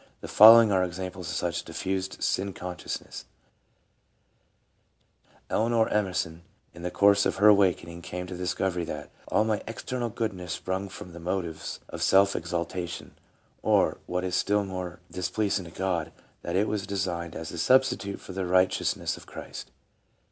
The following are examples of such diffused sin con sciousness : Eleanor Emerson in the course of her awakening came to the discovery that '' all my external goodness sprung from the motives of self exaltation ; or, what is still more displeas ing to God, that it was designed as a substitute for the right eousness of Christ."